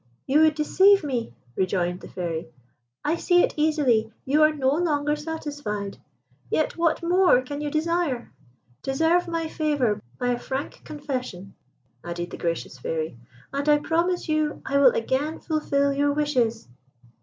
"You would deceive me," rejoined the Fairy; "I see it easily. You are no longer satisfied. Yet what more can you desire? Deserve my favour by a frank confession," added the gracious Fairy, "and I promise you I will again fulfil your wishes."